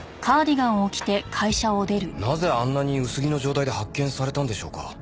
なぜあんなに薄着の状態で発見されたんでしょうか？